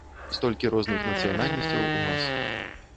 Столькі розных нацыянальнасцяў у вас.